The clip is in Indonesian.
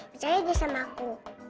percayalah dia sama aku